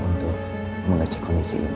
untuk mengacu komisi